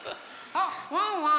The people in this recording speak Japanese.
あっワンワン。